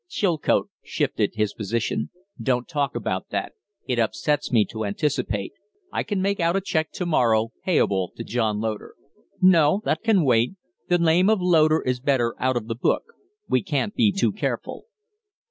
Chilcote shifted his position. "Don't talk about that. It upsets me to anticipate. I can make out a check to morrow payable to John Loder." "No. That can wait. The name of Loder is better out of the book. We can't be too careful."